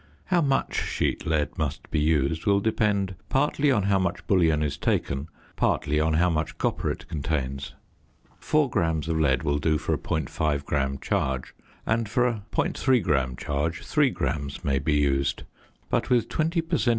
How much sheet lead must be used will depend partly on how much bullion is taken, partly on how much copper it contains. Four grams of lead will do for a .5 gram charge; and for a .3 gram charge, 3 grams may be used. But with 20 per cent.